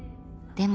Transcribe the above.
でも。